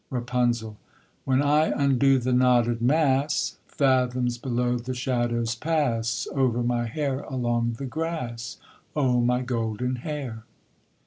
RAPUNZEL. When I undo the knotted mass, Fathoms below the shadows pass Over my hair along the grass. O my golden hair!